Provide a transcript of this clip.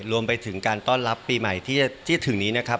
รวมไปถึงการต้อนรับปีใหม่ที่จะถึงนี้นะครับ